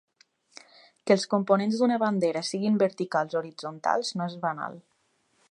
Que els components d’una bandera siguin verticals o horitzontals no és banal.